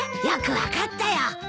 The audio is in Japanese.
よく分かったよ。